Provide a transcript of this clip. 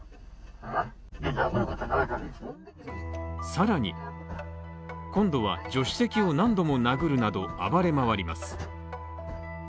さらに、今度は助手席を何度もなぐるなど暴れ回ります。